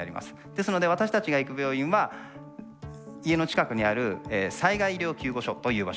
ですので私たちが行く病院は家の近くにある災害医療救護所という場所になります。